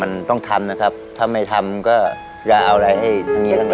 มันต้องทำนะครับถ้าไม่ทำก็จะเอาอะไรให้ทั้งนี้ทั้งนั้น